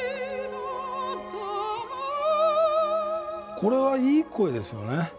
これはいい声ですよね。